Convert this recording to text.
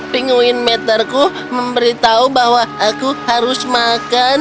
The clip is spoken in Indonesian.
pinguin meterku memberitahu bahwa aku harus makan